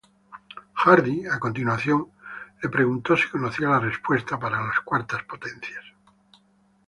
Hardy, a continuación, le preguntó si conocía la respuesta para las cuartas potencias.